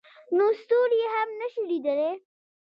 نو ستوري هم نه شي لیدلی.